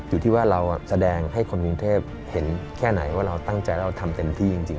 อยู่ที่ว่าเราแสดงให้คนกรุงเทพเห็นแค่ไหนว่าเราตั้งใจแล้วเราทำเต็มที่จริง